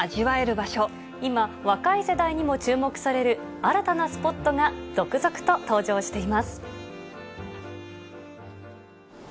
今、若い世代にも注目される新たなスポットが続々と登場しています。